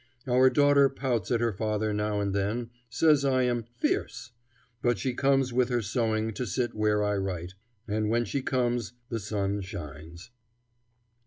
Our daughter pouts at her father now and then; says I am "fierce." But She comes with her sewing to sit where I write, and when she comes the sun shines.